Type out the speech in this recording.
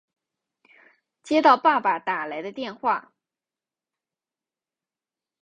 接到爸爸打来的电话